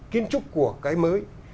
kiến trúc của cái mới